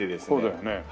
そうだよね。